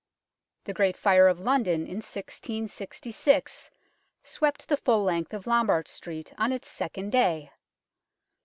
The Great Fire of London in 1666 swept the full length of Lombard Street on its second day.